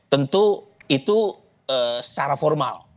tentu itu secara formal